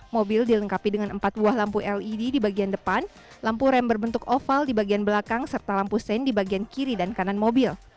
mobil dilengkapi dengan empat buah lampu led di bagian depan lampu rem berbentuk oval di bagian belakang serta lampu sen di bagian kiri dan kanan mobil